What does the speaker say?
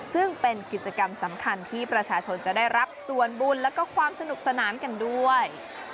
ซึ่งเป็นกิจกรรมสำคัญที่ประชาชนจะได้รับส่วนบุญแล้วก็ความสนุกสนานกันด้วย